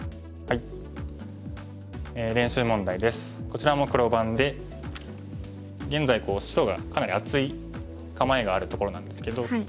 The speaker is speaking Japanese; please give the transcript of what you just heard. こちらも黒番で現在白がかなり厚い構えがあるところなんですけど。